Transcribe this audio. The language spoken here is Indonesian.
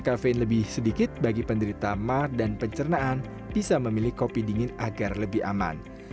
kafein lebih sedikit bagi penderita mar dan pencernaan bisa memilih kopi dingin agar lebih aman